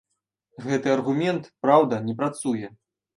Гэты аргумент, праўда, не працуе.